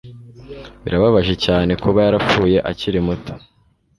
Birababaje cyane kuba yarapfuye akiri muto.